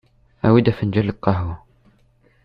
Awi-d afenǧal n lqahwa